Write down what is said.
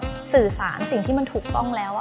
บางทีการเราเอาอารมณ์ของเราไปใส่ในเนื้อเรื่องมากเกินไป